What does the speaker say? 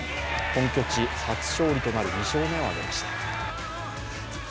本拠地初勝利となる２勝目を挙げました。